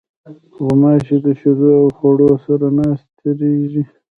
غوماشې د شیدو او خوړو سره ناستېږي.